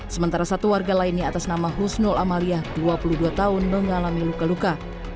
sementara satu warga lainnya atas nama husnul amalia dua puluh dua tahun mengalami luka luka